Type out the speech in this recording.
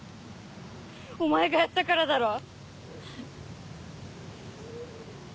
お前がやったからだろ？